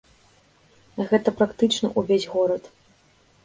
Гэта практычна ўвесь горад.